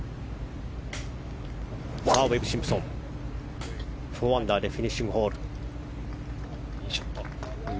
ウェブ・シンプソン４アンダーでフィニッシングホール。